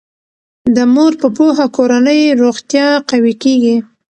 د مور په پوهه کورنی روغتیا قوي کیږي.